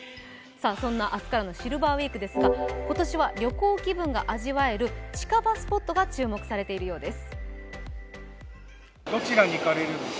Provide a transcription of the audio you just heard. そんな明日からのシルバーウイークですが、今年は旅行気分が味わえる近場スポットが注目されているようです。